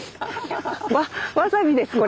わっわさびですこれ。